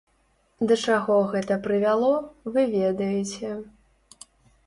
Да чаго гэта прывяло, вы ведаеце.